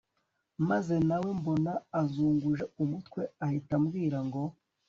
maze nawe mbona azunguje umutwe ahita ambwira ngo